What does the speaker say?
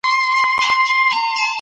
دغه سړی پرون ډېر نېک بخته وو.